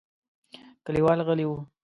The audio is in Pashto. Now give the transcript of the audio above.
کليوال غلي وو.